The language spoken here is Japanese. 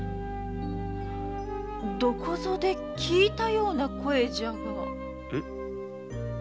どこぞで聞いたような声じゃが？